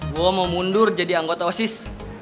gue mau mundur jadi anggota osis